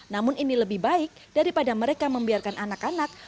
namun ini lebih baik daripada mereka membiarkan anak anak